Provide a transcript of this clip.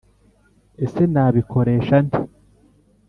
ese nabikoresha nte?